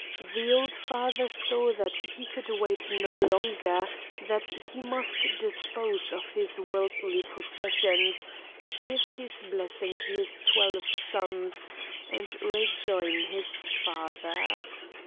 The old father saw that he could wait no longer, that he must dispose of his worldly possessions, give his blessing to his twelve sons and rejoin his Father.